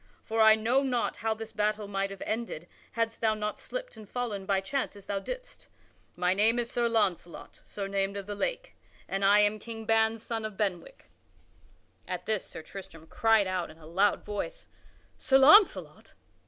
For I know not how this battle might have ended hadst thou not slipped and fallen by chance as thou didst. My name is Sir Launcelot, surnamed of the Lake, and I am King Ban's son of Benwick." At this Sir Tristram cried out in a loud voice: "Sir Launcelot!